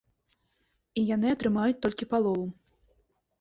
І яны атрымаюць толькі палову.